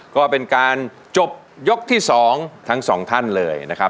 ก็เป็นการจบยกที่๒ทั้งสองท่านเลยนะครับ